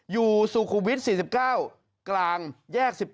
อยู่สุขุมวิท๔๙กลางแยก๑๘